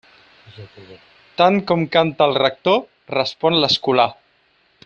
Tant com canta el rector, respon l'escolà.